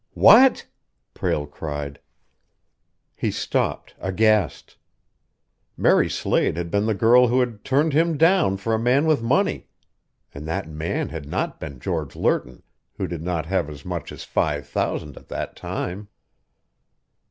"What?" Prale cried. He stopped, aghast. Mary Slade had been the girl who had turned him down for a man with money and that man had not been George Lerton, who did not have as much as five thousand at that time.